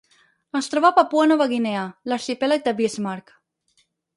Es troba a Papua Nova Guinea: l'arxipèlag de Bismarck.